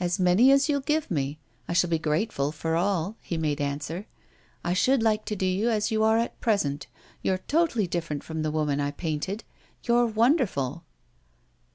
"As many as you'll give me I shall be grateful for all," he made answer. "I should like to do you as you are at present. You're totally different from the woman I painted you're wonderful."